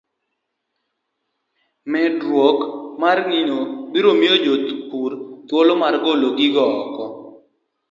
Medruokmarnyakmarmorkichbiromiyojopurthuolomarorogikmaginyagooko.